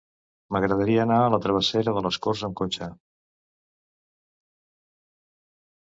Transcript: M'agradaria anar a la travessera de les Corts amb cotxe.